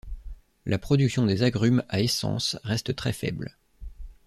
La production des agrumes à essence reste très faible.